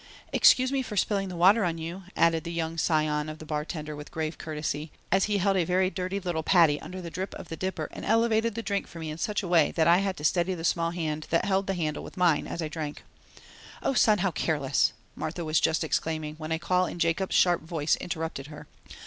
"Excuse me for spilling the water on you," added the young scion of the bartender with grave courtesy, as he held a very dirty little paddie under the drip of the dipper and elevated the drink for me in such a way that I had to steady the small hand that held the handle with mine as I drank. "Oh, son, how careless!" Martha was just exclaiming when a call in Jacob's sharp voice interrupted her.